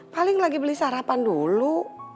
paling lagi beli sarapan dulu